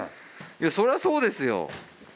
そりゃそうですよ。